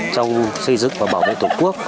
trong xây dựng và bảo vệ tổ quốc